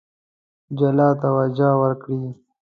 جلا توجه وکړي.